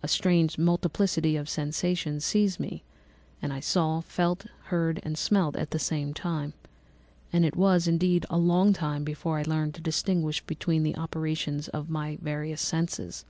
A strange multiplicity of sensations seized me, and I saw, felt, heard, and smelt at the same time; and it was, indeed, a long time before I learned to distinguish between the operations of my various senses.